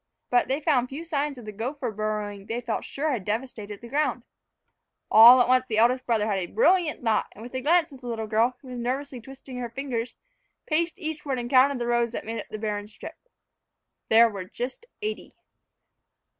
But they found few signs of the gopher burrowing they felt sure had devastated the ground. All at once the eldest brother had a brilliant thought, and, with a glance at the little girl, who was nervously twisting her fingers, paced eastward and counted the rows that made up the barren strip. There were just eighty!